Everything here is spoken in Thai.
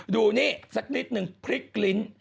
ดูนี่สักนิดนึงพริกลิ้น